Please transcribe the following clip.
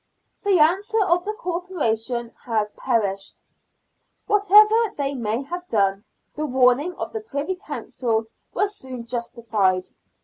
The answer of the Corporation has perished. Whatever they may have done, the warning of the Privy Council was soon justified.